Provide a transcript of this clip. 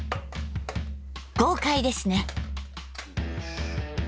豪快ですね。